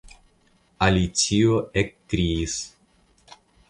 Alicio ekkriis.